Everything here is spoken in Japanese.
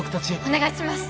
お願いします。